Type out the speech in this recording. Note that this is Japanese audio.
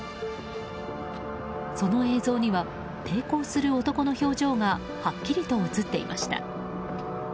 その映像には抵抗する男の表情がはっきりと映っていました。